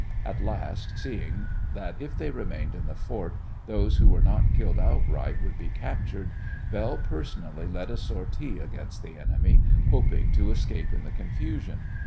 At last, seeing that if they remained in the fort those who were not killed outright would be captured, Belle personally led a sortie against the enemy, hoping to escape in the confusion.